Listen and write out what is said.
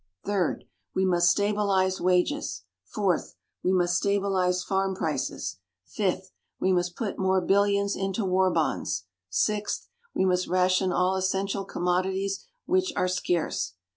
Third. We must stabilize wages. Fourth. We must stabilize farm prices. Fifth. We must put more billions into war bonds. Sixth. We must ration all essential commodities which are scarce.